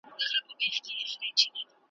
نه څپې وې نه موجونه نه توپان وو .